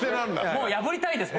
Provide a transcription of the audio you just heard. もう破りたいです